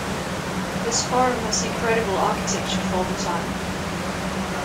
This forum has incredible architecture for the time.